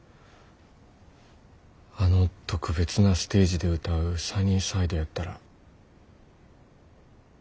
あの特別なステージで歌う「サニーサイド」やったら。